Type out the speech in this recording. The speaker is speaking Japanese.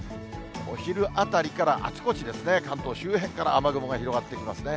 お昼あたりからあちこちですね、関東周辺から雨雲が広がってきますね。